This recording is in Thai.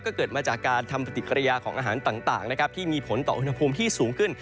ก็เกิดมาจากการทำปฏิกิริยาของอาหารต่างนะครับที่มีผลต่ออุณหภูมิที่สูงขึ้น